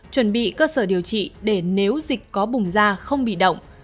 chuẩn bị cơ sở điều trị để nếu dịch có bùng ra không bị động